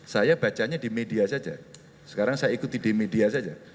saya bacanya di media saja sekarang saya ikuti di media saja